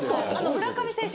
村上選手